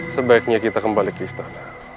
sebaiknya kita kembali ke istana